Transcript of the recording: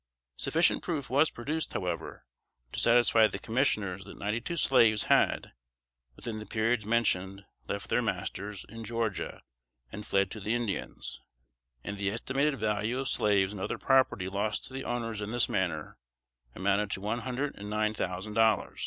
Sufficient proof was produced, however, to satisfy the commissioner that ninety two slaves had, within the periods mentioned, left their masters, in Georgia, and fled to the Indians; and the estimated value of slaves and other property lost to the owners in this manner, amounted to one hundred and nine thousand dollars.